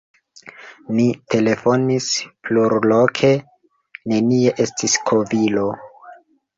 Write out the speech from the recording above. Ni telefonis plurloke: nenie estis kovilo.